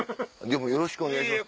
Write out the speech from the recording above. よろしくお願いします。